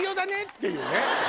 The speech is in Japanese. っていうね。